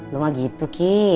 lu mah gitu ki